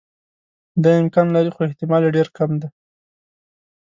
دا امکان لري خو احتمال یې ډېر کم دی.